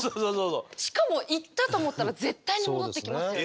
しかも行ったと思ったら絶対に戻ってきますよね。